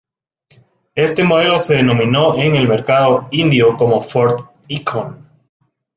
Este modelo se denominó en el mercado indio como Ford Ikon.